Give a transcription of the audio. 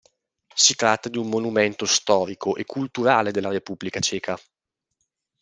Si tratta di un monumento storico e culturale della Repubblica Ceca.